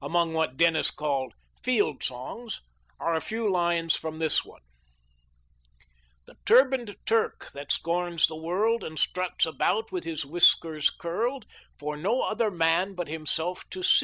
Among what Dennis called " field songs" are a few lines from this one: " The turbaned Turk that scorns the world And struts about with his whiskers curled, For no other man but himself to see."